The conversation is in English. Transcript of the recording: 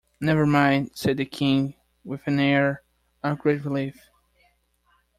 ‘Never mind!’ said the King, with an air of great relief.